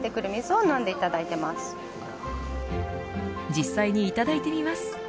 実際にいただいてみます。